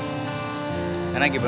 tunggu kita akan kembali